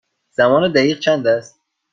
زمان دقیق چند است؟